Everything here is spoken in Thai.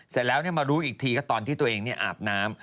เสร็จแล้วมารู้อีกทีก็ตอนที่ตัวเองอาบน้ำ